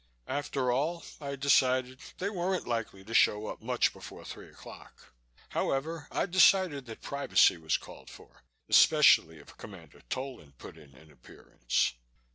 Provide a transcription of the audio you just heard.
After all, I decided, they weren't likely to show up much before three o'clock. However, I decided that privacy was called for, especially if Commander Tolan put in an appearance.